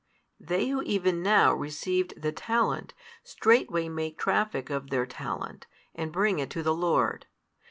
They who even now received the talent, straightway make traffic of their talent, and bring it to the Lord.